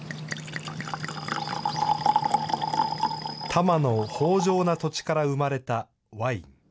多摩の豊穣な土地から生まれたワイン。